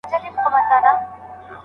که موږ هڅه وکړو نو حقایق به روښانه سي.